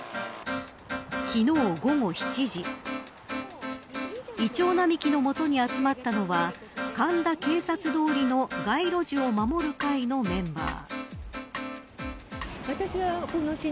昨日、午後７時イチョウ並木の元に集まったのは神田警察通りの街路樹を守る会のメンバー。